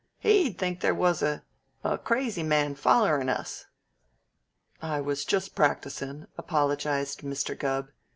He'd think there was a a crazy man follerin' us." "I was just practicin'," apologized Mr. Gubb.